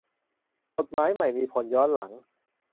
กฏหมายใหม่มีผลย้อนหลัง